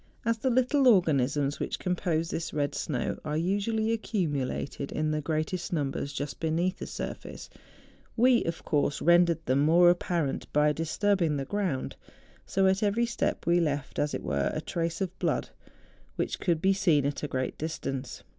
As the little organisms which compose this red snow are usually accumulated in the greatest numbers just beneath the surface, we, of course, rendered them more apparent by disturbing the ground; so at every step we left, as it were, a trace of blood, which could be seen at a great distance.